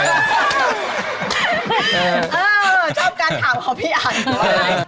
ชอบการถามของพี่อัฐ